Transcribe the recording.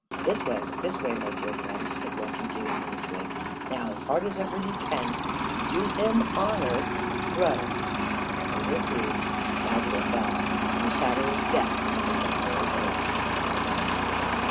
"This way, this way, my dear friend," said Loki, giving him the twig. "Now, as hard as ever you can, to do him honor; throw!" Hödur threw Baldur fell, and the shadow of death covered the whole earth.